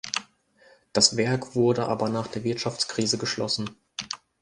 Das Werk wurde aber nach der Wirtschaftskrise geschlossen.